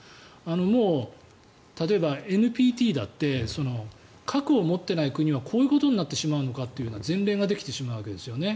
もう例えばＮＰＴだって核を持ってない国はこういうことになってしまうのかという前例ができてしまうんですよね。